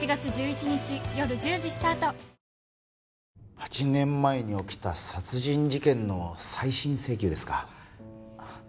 ８年前に起きた殺人事件の再審請求ですか？